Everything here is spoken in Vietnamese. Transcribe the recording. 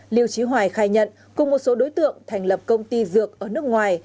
liêu trí hoài khai nhận cùng một số đối tượng thành lập công ty dược ở nước ngoài